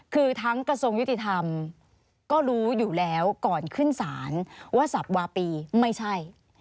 คือทั้งกระทรวงยุติธรรมก็รู้อยู่แล้วก่อนขึ้นศาลว่าสับวาปีไม่ใช่